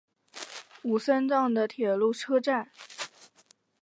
吾桑站的铁路车站。